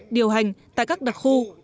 điều hành tại các đặc khu